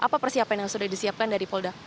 apa persiapan yang sudah disiapkan dari polda